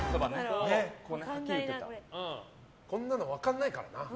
こんなの分からないからな。